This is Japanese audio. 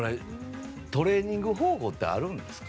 トレーニング方法ってあるんですか？